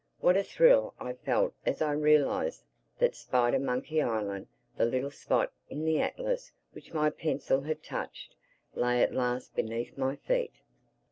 What a thrill I felt as I realized that Spidermonkey Island, the little spot in the atlas which my pencil had touched, lay at last beneath my feet!